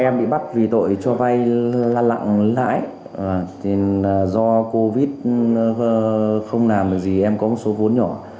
em bị bắt vì tội cho vay là lặng lãi do covid không làm được gì em có một số vốn nhỏ